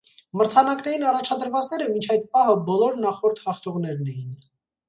Մրցանակներին առաջադրվածները մինչ այդ պահը բոլոր նախորդ հաղթողներներն էին։